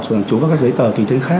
sử dụng các giấy tờ tùy tên khác